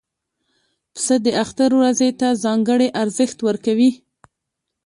پسه د اختر ورځې ته ځانګړی ارزښت ورکوي.